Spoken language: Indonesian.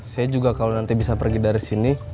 saya juga kalau nanti bisa pergi dari sini